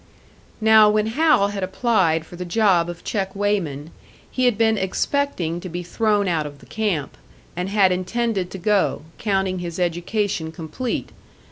Now when Hal had applied for the job of check weighman, he had been expecting to be thrown out of the camp, and had intended to go, counting his education complete.